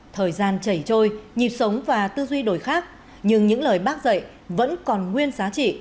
thời gian chảy trôi nhịp sống và tư duy đổi khác nhưng những lời bác dạy vẫn còn nguyên giá trị